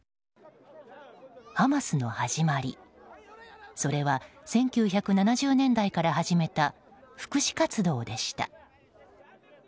ハマスの始まり、それは１９７０年代から始めた福祉活動でした。